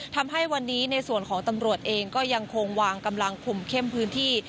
ทำให้วันนี้ในส่วนของตำรวจเองก็ยังคงวางกำลังคุมเข้มพื้นที่